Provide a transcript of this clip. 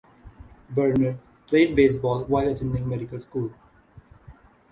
Bernard played baseball while attending medical school.